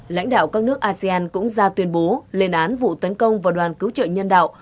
lãnh đạo các nước asean cũng ra tuyên bố lên án vụ tấn công vào đoàn cứu trợ nhân đạo